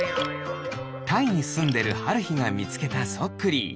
タイにすんでるはるひがみつけたそっクリー。